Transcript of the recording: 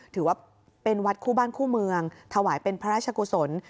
ถือว่าเป็นวัดคู่บ้านคู่เมืองถวายเป็นพระราชกุศล